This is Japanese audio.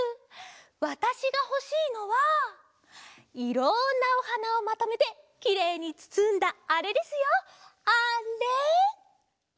わたしがほしいのはいろんなおはなをまとめてきれいにつつんだあれですよあれ！